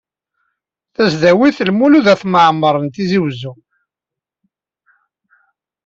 Tasdawit Lmulud At Mɛemmer n Tizi Uzzu.